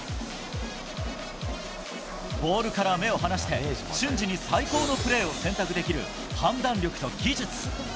ボールから目を離して、瞬時に最高のプレーを選択できる判断力と技術。